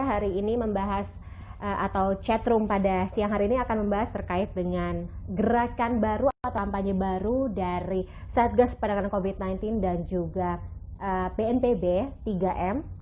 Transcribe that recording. hari ini membahas atau chatroom pada siang hari ini akan membahas terkait dengan gerakan baru atau kampanye baru dari satgas penanganan covid sembilan belas dan juga bnpb tiga m